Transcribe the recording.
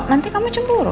nanti kamu cemburu